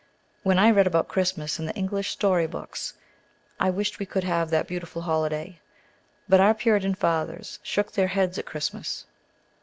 When I read about Christmas in the English story books, I wished we could have that beautiful holiday. But our Puritan fathers shook their heads at Christmas.